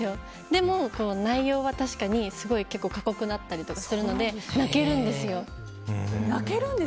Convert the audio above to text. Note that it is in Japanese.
でも内容は確かに結構、過酷だったりするので泣けるんですよ。